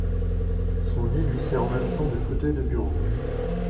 Son lit lui sert en même temps de fauteuil de bureau.